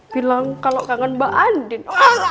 bilang kalau kangen mbak andin